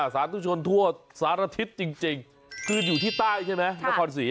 สาธุชนทั่วสารทิศจริงคืออยู่ที่ใต้ใช่ไหมนครศรี